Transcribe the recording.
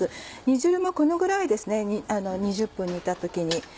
煮汁もこのぐらいですね２０分煮た時に。